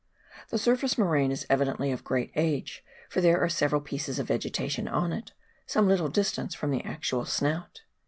The surface moraine is evidently of great age, for there are several pieces of vegetation on it, some little distance from the actual " snout."